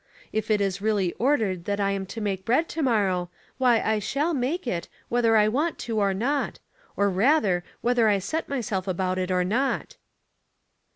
If it is really ordered that I am to make bread to morrow, why, I shall make it, whether I want to or not, or, rather, whether 1 set myself about it or not."